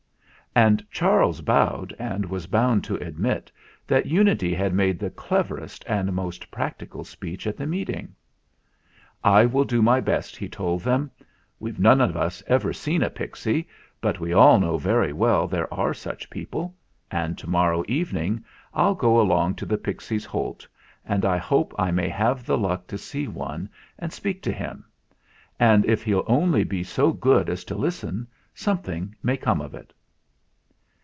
And Charles bowed and was bound to admit that Unity had made the cleverest and most practical speech at the meeting. "I will do my best," he told them. "We've THE MEETING 89 none of us ever seen a Pixie; but we all know very well there are such people, and to morrow evening I'll go alone to the Pixies' Holt, and I hope I may have the luck to see one and speak to him. And if he'll only be so good as to listen, something may come of it."